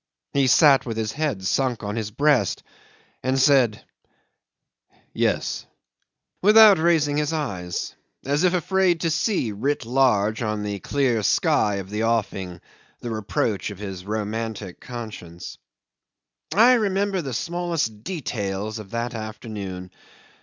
He sat with his head sunk on his breast and said "Yes," without raising his eyes, as if afraid to see writ large on the clear sky of the offing the reproach of his romantic conscience. 'I remember the smallest details of that afternoon.